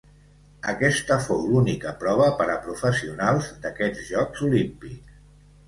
Aquesta fou l'única prova per a professionals d'aquests Jocs Olímpics.